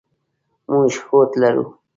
موږ هوډ لرو.